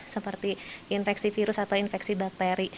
seperti infeksi virus atau infeksi bakteri